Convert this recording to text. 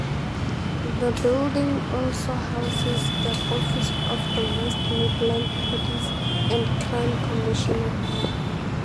The building also houses the office of the West Midlands Police and Crime Commissioner.